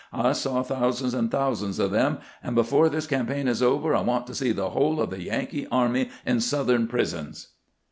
I saw thousands and thousands of them, and before this campaign is over I want to see the whole of the Yankee army in Southern prisons."